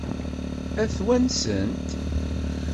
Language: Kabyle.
Ad t-wansent?